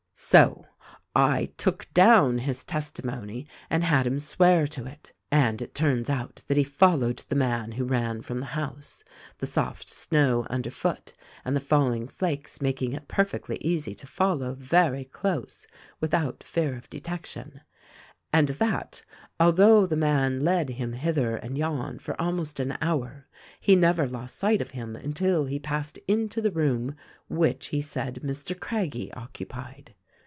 "So I took down his testimony and had him swear to it. And it turns out that he followed the man who ran from the house, — the soft snow underfoot and the falling flakes mak ing it perfectly easy to follow very close without fear of detection, — and that, although the man led him hither and yon for almost an hour he never lost sight of him until he passed into the room which he said Mr. Craggie occupied.